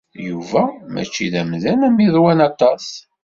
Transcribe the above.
Yuba mačči d amdan ammidwan aṭas.